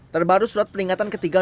terbaru surat peringatan ketiga